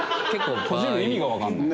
閉じる意味がわからない。